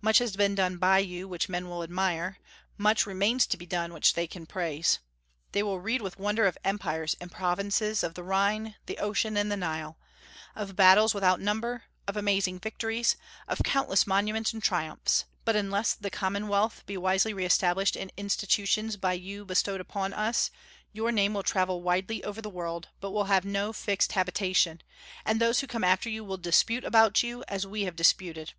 Much has been done by you which men will admire; much remains to be done which they can praise. They will read with wonder of empires and provinces, of the Rhine, the ocean, and the Nile, of battles without number, of amazing victories, of countless monuments and triumphs; but unless the Commonwealth be wisely re established in institutions by you bestowed upon us, your name will travel widely over the world, but will have no fixed habitation; and those who come after you will dispute about you as we have disputed.